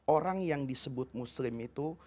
orang yang disebut muslim itu